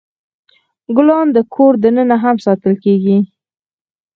ګلان د کور دننه هم ساتل کیږي.